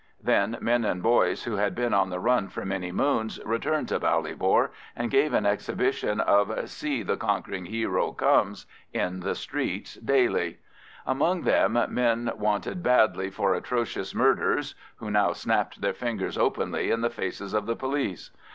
Then men and boys who had been on the run for many moons returned to Ballybor, and gave an exhibition of "See the Conquering Hero Comes" in the streets daily; among them men wanted badly for atrocious murders, who now snapped their fingers openly in the faces of the police.